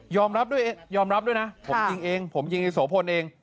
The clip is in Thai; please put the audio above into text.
ยอมรับด้วยยอมรับด้วยนะผมยิงเองผมยิงไอ้โสพนเอง